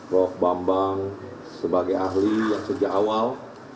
prof bambang sebagai ahli yang sejak awal